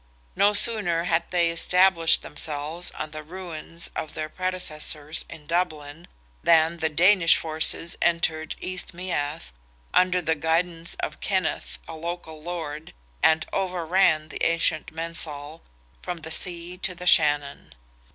No sooner had they established themselves on the ruins of their predecessors in Dublin, than the Danish forces entered East Meath, under the guidance of Kenneth, a local lord, and overran the ancient mensal, from the sea to the Shannon.